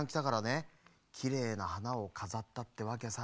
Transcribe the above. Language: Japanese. きれいなはなをかざったってわけさ。